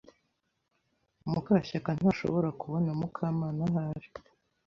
Mukashyaka ntashobora kubona Mukamana aho ari.